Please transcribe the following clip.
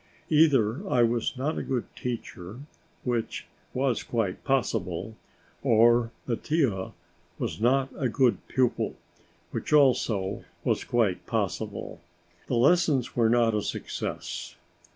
Either I was not a good teacher, which was quite possible, or Mattia was not a good pupil, which also was quite possible; the lessons were not a success.